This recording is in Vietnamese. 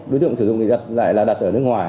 đối tượng sử dụng lại là đặt ở nước ngoài